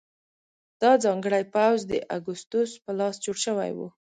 دا ځانګړی پوځ د اګوستوس په لاس جوړ شوی و.